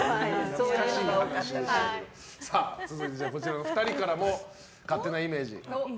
続いて、こちらのお二人からも勝手なイメージを。